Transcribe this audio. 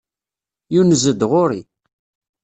Yunez-d ɣur-i.